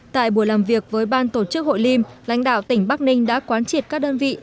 tại buổi làm việc với ban tổ chức hội liêm lãnh đạo tỉnh bắc ninh đã quán triệt các đơn vị